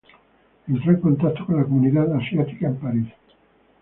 Entró en contacto con la comunidad asiática en París.